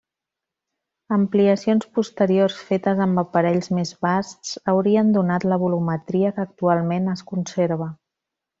Ampliacions posteriors fetes amb aparells més basts, haurien donat la volumetria que actualment es conserva.